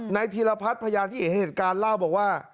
ธีรพัฒน์พยานที่เห็นเหตุการณ์เล่าบอกว่า